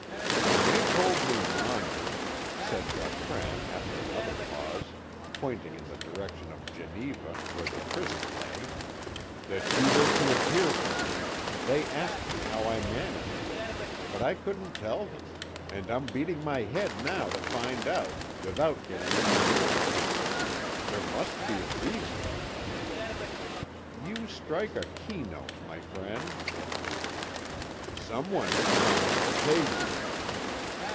"When they told me yonder," said Gautran after another pause, pointing in the direction of Geneva, where the prison lay, "that you were to appear for me, they asked me how I managed it, but I couldn't tell them, and I'm beating my head now to find out, without getting any nearer to it. There must be a reason." "You strike a key note, my friend." "Someone has promised to pay you."